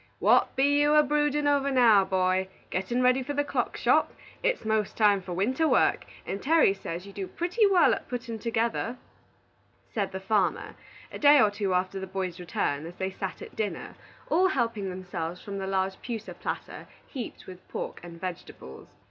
"What be you a brewdin' over now, boy? Gettin' ready for the clock shop? It's 'most time for winter work, and Terry says you do pretty wal at puttin' together," said the farmer, a day or two after the boy's return, as they sat at dinner, all helping themselves from the large pewter platter heaped with pork and vegetables.